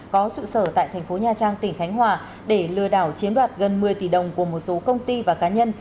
có sự sở tại thành phố nha trang tỉnh khánh hòa để lừa đảo chiếm đoạt gần một mươi tỷ đồng của một số công ty và cá nhân